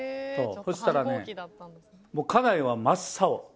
そしたらね家内は真っ青。